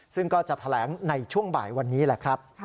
ซึ่งก็จะแถลงในช่วงบ่ายวันนี้แหละครับ